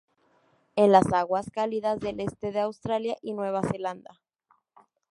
En las aguas cálidas del este de Australia y Nueva Zelanda.